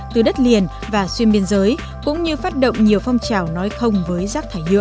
từ đất liền và xuyên biên giới cũng như phát động nhiều phong trào nói không với rác thải nhựa